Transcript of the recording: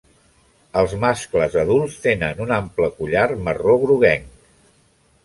Els mascles adults tenen un ample collar marró-groguenc.